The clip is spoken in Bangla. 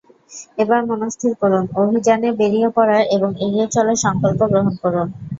এবার মনস্থির করুন, অভিযানে বেরিয়ে পড়া এবং এগিয়ে চলার সংকল্প গ্রহণ করুন।